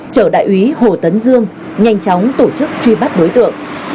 chở đại úy hồ tấn dương nhanh chóng tổ chức truy bắt đối tượng